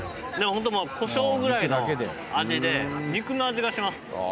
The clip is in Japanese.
本当もうコショウぐらいの味で肉の味がします。